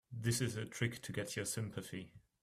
This is a trick to get your sympathy.